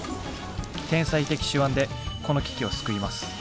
天才的手腕でこの危機を救います。